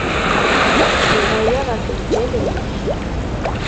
Giɣ aya ɣef lǧal-nnek.